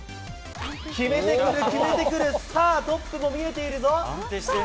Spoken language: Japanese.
決めてくる、決めてくる、さあ、トップも見えているぞ。